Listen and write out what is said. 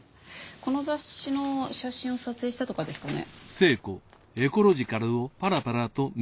この雑誌の写真を撮影したとかですかね。